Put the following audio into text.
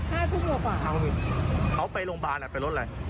ฆ่าทุกตัวฝ่าเขาไปโรงพยาบาลหรือไปรถไหน